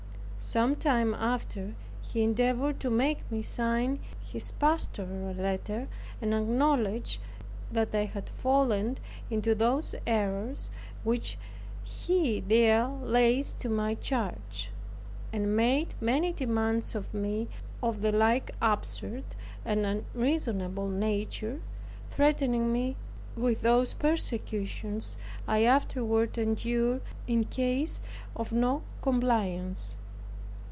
Some time after, he endeavored to make me sign his pastoral letter, and acknowledge that I had fallen into those errors, which he there lays to my charge, and made many demands of me of the like absurd and unreasonable nature, threatening me with those persecutions I afterward endured, in case of non compliance.